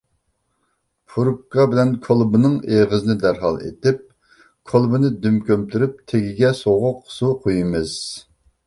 پۇرۇپكا بىلەن كولبىنىڭ ئېغىزىنى دەرھال ئېتىپ، كولبىنى دۈم كۆمتۈرۈپ تېگىگە سوغۇق سۇ قۇيىمىز.